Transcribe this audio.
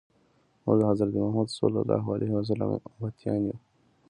موږ د حضرت محمد صلی الله علیه وسلم امتیان یو.